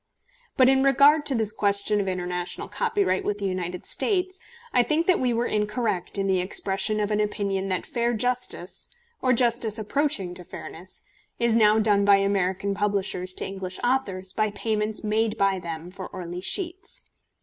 But in regard to this question of international copyright with the United States, I think that we were incorrect in the expression of an opinion that fair justice, or justice approaching to fairness, is now done by American publishers to English authors by payments made by them for early sheets.